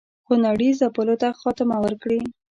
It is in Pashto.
خونړي ځپلو ته خاتمه ورکړي.